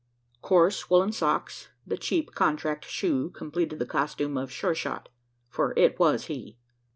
Coarse woollen socks, and the cheap contract shoe completed the costume of Sure shot for it was he.